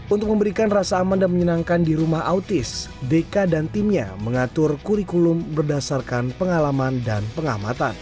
untuk memberikan rasa aman dan menyenangkan di rumah autis deka dan timnya mengatur kurikulum berdasarkan pengalaman dan pengamatan